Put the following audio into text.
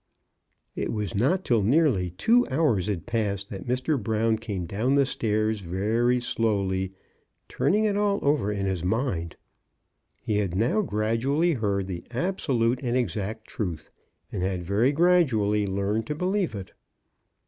" It was not till nearly two hours had passed that Mr. Brown came down the stairs very slowly, turning it all over in his mind. He had now MRS. BROWN DOES ESCAPE. S3 gradually heard the absolute and exact truth, and had very gradually learned to believe it.